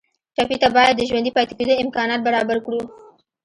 ټپي ته باید د ژوندي پاتې کېدو امکانات برابر کړو.